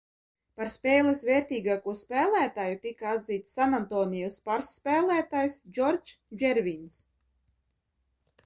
"Par spēles vērtīgāko spēlētāju tika atzīts Sanantonio "Spurs" spēlētājs Džordžs Džervins."